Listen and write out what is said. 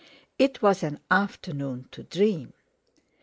It was an afternoon to dream.